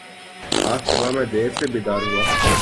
آج صبح میں دیر سے بیدار ہوا